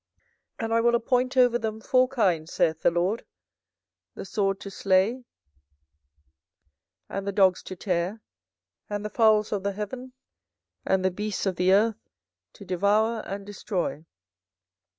24:015:003 And I will appoint over them four kinds, saith the LORD: the sword to slay, and the dogs to tear, and the fowls of the heaven, and the beasts of the earth, to devour and destroy.